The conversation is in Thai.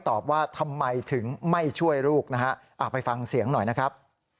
ถึงไม่ช่วยลูกนะฮะไปฟังเสียงหน่อยนะครับ